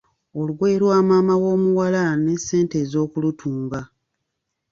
Olugoye lwa maama w’omuwala, n’essente ez’okulutunga.